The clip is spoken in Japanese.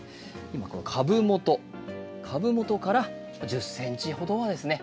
今この株元株元から１０ｃｍほどはですね